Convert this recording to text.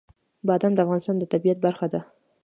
بادام د افغانستان د طبیعت برخه ده.